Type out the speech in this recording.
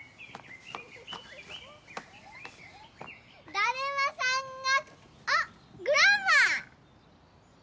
・だるまさんがあっグランマ！